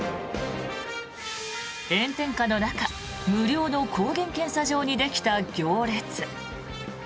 炎天下の中無料の抗原検査場にできた行列。